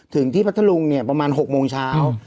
ถึงที่พัทธลุงเนี่ยประมาณ๖โมงเช้า